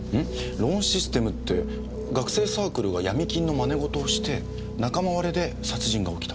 ローンシステムって学生サークルが闇金の真似事をして仲間割れで殺人が起きた。